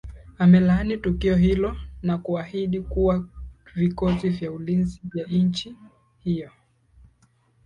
amelaani tukio hilo na kuahidi kuwa vikosi vya ulinzi vya nchi hiyo